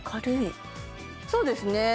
そうですね